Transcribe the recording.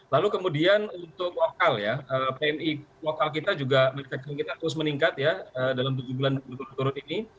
lalu kemudian untuk lokal ya pmi lokal kita juga mindfeksi kita terus meningkat ya dalam tujuh bulan berturut turut ini